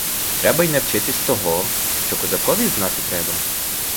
Треба навчитися й того, що козакові знати треба.